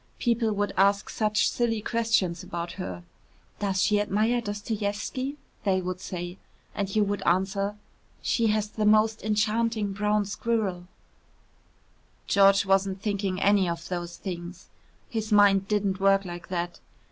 People would ask such silly questions about her. "Does she admire Dostoievski?" they would say, and you would answer, "She has the most enchanting brown squirrel " George wasn't thinking any of those things. His mind didn't work like that.